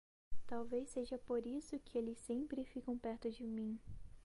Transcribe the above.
Talvez seja por isso que eles sempre ficam perto de mim.